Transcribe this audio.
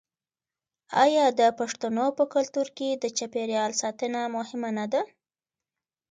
آیا د پښتنو په کلتور کې د چاپیریال ساتنه مهمه نه ده؟